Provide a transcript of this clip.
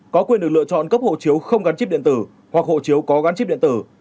có quyền được lựa chọn cấp hộ chiếu không gắn chip điện tử hoặc hộ chiếu có gắn chip điện tử